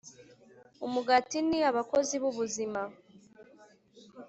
umugati ni abakozi b'ubuzima